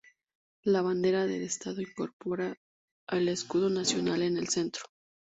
La bandera del Estado incorpora el Escudo Nacional en el centro.